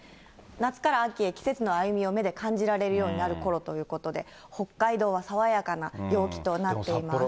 夏から秋へ季節の歩みを目で感じられるようになるころということで、北海道は爽やかな陽気となっています。